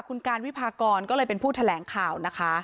คุณการวิพากรก็เลยเป็นผู้แถลงข่าวนะคะ